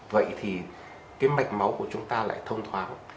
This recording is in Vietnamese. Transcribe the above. vậy thì cái mạch máu của chúng ta lại thông thoáng